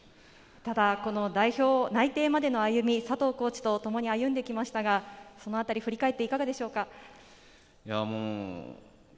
ただ、代表内定までの歩み、佐藤コーチとともに歩んできましたが、そのあたり振り返っていかがでしょうか？